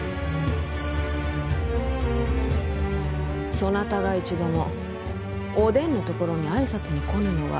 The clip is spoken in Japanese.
そなたが一度もお伝のところに挨拶に来ぬのは？